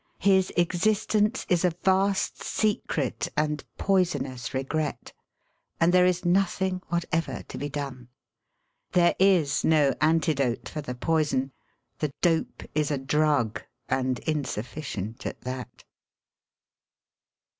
His existence is a vast secret and poisonous re gret; and there is nothing whatever to be done; there is no antidote for the poison ; the dope is a drug — and insufficient at that.